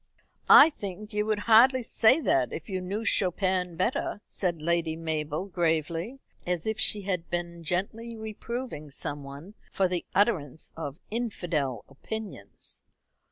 "I think you would hardly say that if you knew Chopin better," said Lady Mabel gravely, as if she had been gently reproving some one for the utterance of infidel opinions.